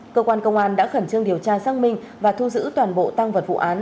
cơ quan công an đã khẩn trương điều tra xác minh và thu giữ toàn bộ tăng vật vụ án